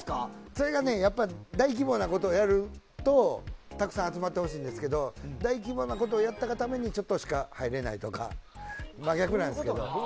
それが大規模なことをやるとたくさん集まってほしいですが大規模なことをやったがためにちょっとしか入れないとか真逆なんですけど。